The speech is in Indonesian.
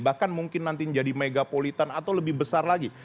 bahkan mungkin nanti menjadi megapolitan atau lebih besar lagi